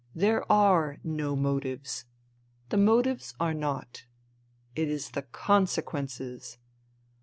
There are no motives. The motives are naught. It is the consequences.